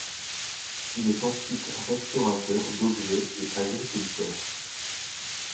Il est ensuite restaurateur d'objets et agriculteur.